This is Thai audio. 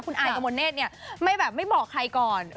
คุณอายกับมณ์เนทไม่บอกใครก่อน